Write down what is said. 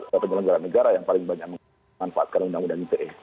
atau penyelenggara negara yang paling banyak memanfaatkan undang undang ite